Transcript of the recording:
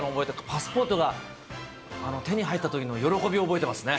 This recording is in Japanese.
パスポートが手に入ったというのの喜びを覚えてますね。